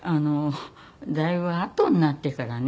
だいぶあとになってからね